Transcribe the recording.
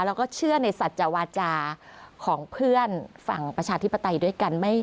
แล้วก็เชื่อในสัจวาจาของเพื่อนฝั่งประชาธิปไตยด้วยกัน